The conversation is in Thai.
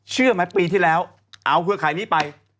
เชื่อไหมปีที่แล้วเอาเครือข่ายนี้ไป